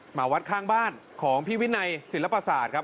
หมาวัดข้างบ้านของพี่วินัยศิลปศาสตร์ครับ